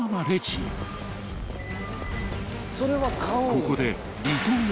［ここで］